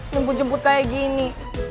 mempunjemput kayak gini